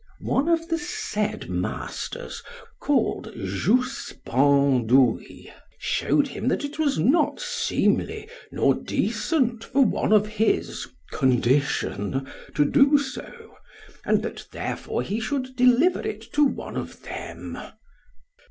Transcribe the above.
One of the said masters, called Jousse Bandouille, showed him that it was not seemly nor decent for one of his condition to do so, and that therefore he should deliver it to one of them.